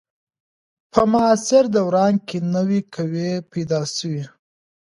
په معاصر دوران کي نوي قوې پیدا سوې.